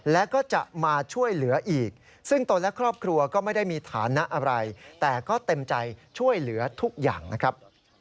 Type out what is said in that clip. และก็จะมาช่วยเหลืออีกซึ่งตนและครอบครัวก็ไม่ได้มีฐานะอะไรแต่ก็เต็มใจช่วยเหลือทุกอย่างนะครับ